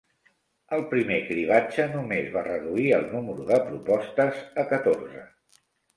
El primer cribratge només va reduir el número de propostes a catorze.